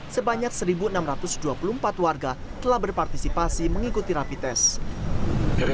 sebanyak satu enam ratus dua puluh empat warga telah berpartisipasi mengikuti rapi tes